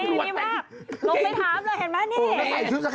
ขายเท่าไหร่น้องผู้ชาย